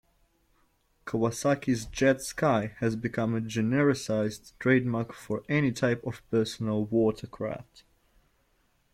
Kawasaki's "Jet Ski" has become a genericized trademark for any type of personal watercraft.